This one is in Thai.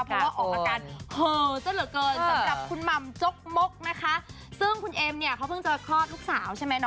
เพราะว่าออกมาการเหลือ